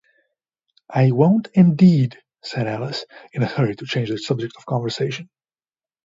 "I won’t indeed!" said Alice, in a hurry to change the subject of conversation.